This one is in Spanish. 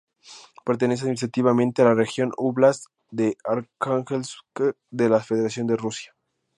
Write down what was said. Pertenece administrativamente a la región u óblast de Arjángelsk, de la Federación de Rusia.